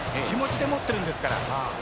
気持ちでもってるんですから。